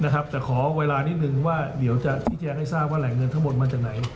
แต่ขอไวล้านิดหนึ่งว่าดี่แจกให้ทราบว่าแหล่งเงินทั้งหมดมันจะไหน